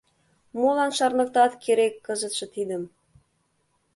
Молан шарныктат керек кызытше тидым?